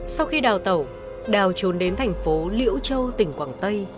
sau khi đào tẩu đào trốn đến thành phố liễu châu tỉnh quảng tây